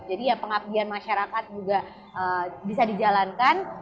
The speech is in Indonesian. jadi ya pengabdian masyarakat juga bisa dijalankan